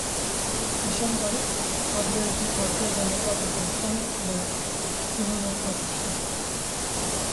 Li Şengalê kadroyekî Partiya Demokrata Kurdistanê li Sinûnê hat kuştin.